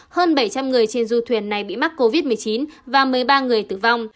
hơn bảy trăm linh người trên du thuyền này bị mắc covid một mươi chín và một mươi ba người tử vong